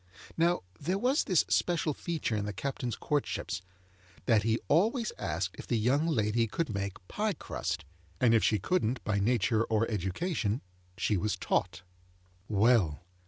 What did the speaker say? Now, there was this special feature in the Captain's courtships, that he always asked if the young lady could make pie crust; and if she couldn't by nature or education, she was taught. Well.